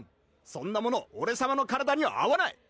そんなものオレさまの体には合わない！